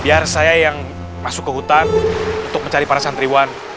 biar saya yang masuk ke hutan untuk mencari para santriwan